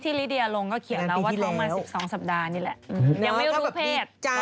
ที่ลิดีย์ลงก็เขียนแล้วว่าทำมา๑๒สัปดาห์นี่แหละ